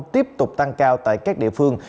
số ca f tiếp tục tăng cao tại các địa phương